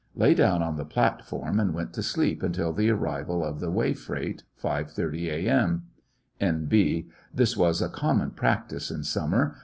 Lay down on the platform and went to sleep until the arrival of the way freight, 5 : 30 a.m. (N.B. This was a common practice in summer.